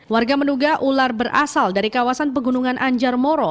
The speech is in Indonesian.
warga menduga ular berasal dari kawasan pegunungan anjar moro